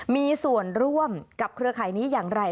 มีส่วนร่วมกับเครือข่ายนี้อย่างไร